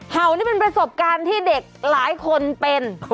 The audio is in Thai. เห่านี่เป็นประสบการณ์ที่เด็กหลายคนเป็น